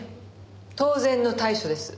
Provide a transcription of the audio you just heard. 当然の対処です。